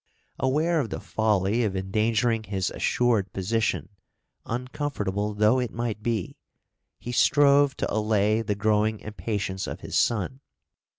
Aware of the folly of endangering his assured position, uncomfortable though it might be, he strove to allay the growing impatience of his son.